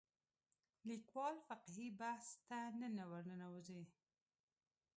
لیکوال فقهي بحث ته نه ورننوځي